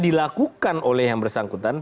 dilakukan oleh yang bersangkutan